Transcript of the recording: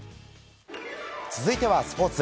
続いてはスポーツ。